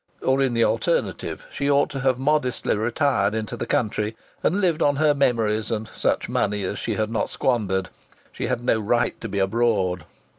Or, in the alternative, she ought to have modestly retired into the country and lived on her memories and such money as she had not squandered. She had no right to be abroad.